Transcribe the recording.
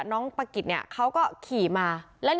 น้องปะกิจเขาก็ขี่มา